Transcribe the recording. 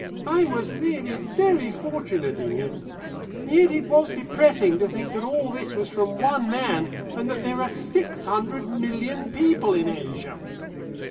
I was really very fortunate in him. Yet it was depressing to think that all this was from one man, and that there are six hundred million people in Asia."